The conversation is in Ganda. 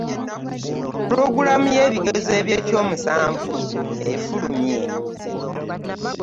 Pulogulaamu y'ebigezo ebyo ky'omusanvu efulumye.